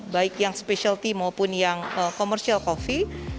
baik yang specialty maupun yang commercial coffee